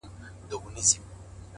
هوښیار انتخاب وخت خوندي کوي’